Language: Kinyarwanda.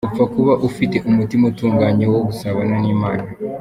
upfa kuba ufite umutima utunganye wo gusabana n’Imana.